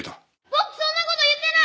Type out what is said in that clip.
僕そんな事言ってない！